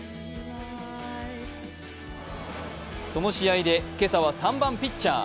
その試合で今朝は３番・ピッチャー。